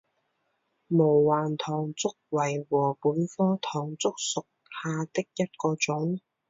毛环唐竹为禾本科唐竹属下的一个种。